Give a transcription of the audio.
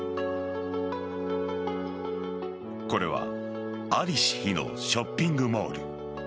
これは在りし日のショッピングモール。